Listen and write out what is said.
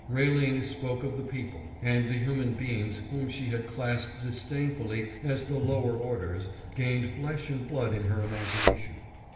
Railing spoke of the people; and the human beings whom she had classed disdainfully as the lower orders, gained flesh and blood in her imagination.